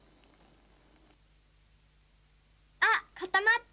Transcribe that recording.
あっかたまった！